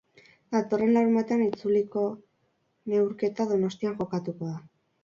Datorren larunbatean itzuliko neurketa donostian jokatuko da.